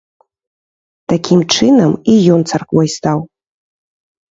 Такім чынам і ён царквой стаў!!!